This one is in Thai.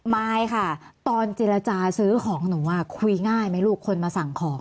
ไม่ค่ะตอนเจรจาซื้อของหนูคุยง่ายไหมลูกคนมาสั่งของ